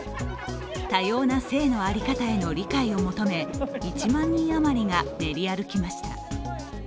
多様な性の在り方への理解を求め、１万人余りが練り歩きました。